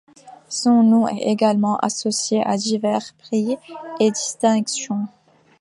Son nom est également associés à divers prix et distinctions.